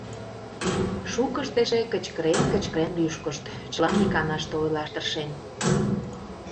Шукышт эше кычкырен-кычкырен лӱшкышт, чылан иканаште ойлаш тыршен.